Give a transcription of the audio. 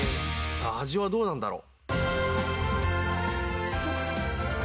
さあ味はどうなんだろ？